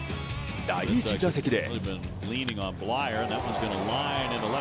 第１打席で。